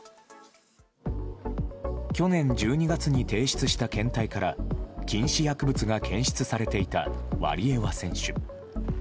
去年１２月に提出した検体から禁止薬物が検出されていたワリエワ選手。